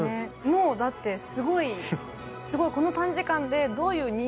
もうだってすごいすごいこの短時間でそうだよね。